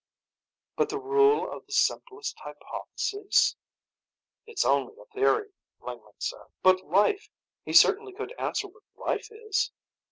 "But the rule of the simplest hypothesis " "It's only a theory," Lingman said. "But life he certainly could answer what life is?"